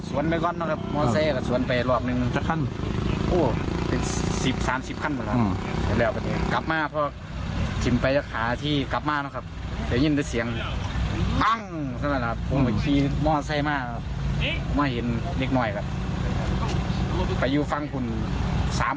อืมสวนเล่นกลับมาหรออันนี้บ้านเนี่ยใจขึ้นกันครับ